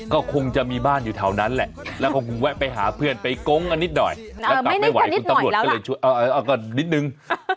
ก็คงจะมีบ้านอยู่แถวนั้นแหละแล้วก็คงแวะไปหาเพื่อนไปโก๊งกันนิดหน่อยแล้วกลับไม่ไหวคุณตำรวจก็เลยช่วยเอาก็นิดนึง